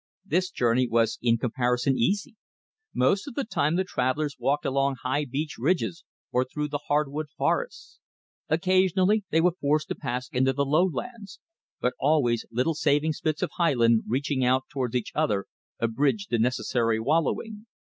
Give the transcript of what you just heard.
This journey was in comparison easy. Most of the time the travellers walked along high beech ridges or through the hardwood forests. Occasionally they were forced to pass into the lowlands, but always little saving spits of highland reaching out towards each other abridged the necessary wallowing.